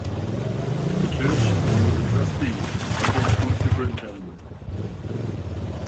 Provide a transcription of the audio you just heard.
In the church, he was a trustee and Sunday School Superintendent.